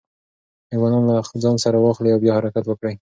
ایوانان له ځان سره واخلئ او بیا حرکت وکړئ.